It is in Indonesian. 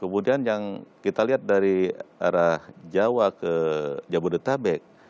kemudian yang kita lihat dari arah jawa ke jabodetabek